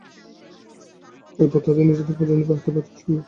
এরপর তাঁরা নিজেদের পছন্দের প্রার্থীর প্রতীকে সিল মেরে বাক্স ভর্তি করেছেন।